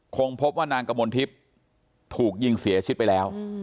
คงพบว่านางกมลทิพย์ถูกยิงเสียชีวิตไปแล้ว